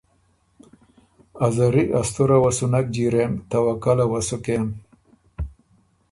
ا زری ا ستُره وه سو نک جیرېم توکله وه سو کېم۔